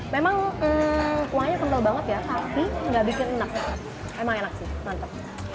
memang hmm kuahnya kental banget ya tapi nggak bikin enak